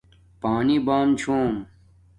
پانی بام چھوم